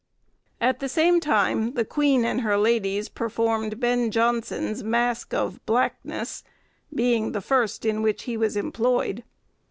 At the same time, the queen and her ladies performed Ben Jonson's mask of 'Blackness,' being the first in which he was employed.